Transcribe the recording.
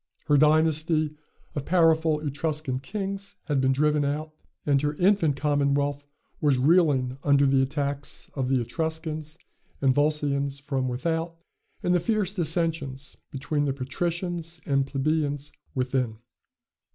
Her dynasty of powerful Etruscan kings had been driven out; and her infant commonwealth was reeling under the attacks of the Etruscans and Volscians from without, and the fierce dissensions between the patricians and plebeians within.